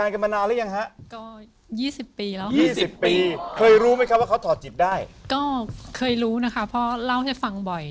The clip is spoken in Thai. ก็เคยรู้นะคะเพราะเล่าให้ฟังบ่อย